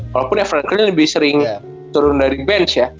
walaupun ya franklin lebih sering turun dari bench ya